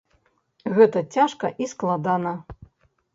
Гэта цяжка і складана.